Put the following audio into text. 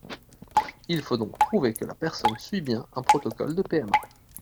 Il faut donc prouver que la personne suit bien un protocole de PMA.